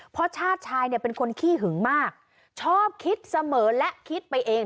เพราะชาติชายเนี่ยเป็นคนขี้หึงมากชอบคิดเสมอและคิดไปเอง